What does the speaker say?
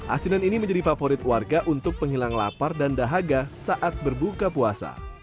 asinan ini menjadi favorit warga untuk penghilang lapar dan dahaga saat berbuka puasa